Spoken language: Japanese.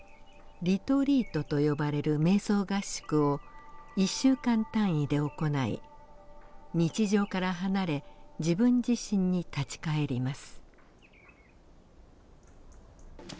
「リトリート」と呼ばれる瞑想合宿を１週間単位で行い日常から離れ自分自身に立ち帰ります。